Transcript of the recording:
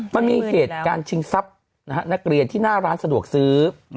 มันมีเหตุการณ์ชิงทรัพย์นักเรียนที่หน้าร้านสะดวกซื้อ